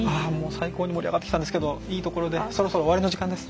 最高に盛り上がってますがいいところでそろそろ終わりの時間です。